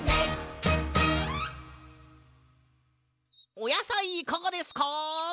おやさいいかがですか？